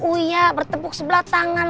kasian uya bertepuk sebelah tangan